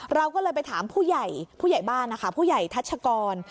เราก็เลยไปถามผู้ใหญ่ผู้ใหญ่บ้านนะคะผู้ใหญ่ทัชกร